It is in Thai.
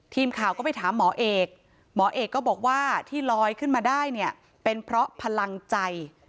ทีมข่าวก็ไปถามหมอเอกหมอเอกก็บอกว่าที่ลอยขึ้นมาได้เนี่ยเป็นเพราะพลังใจ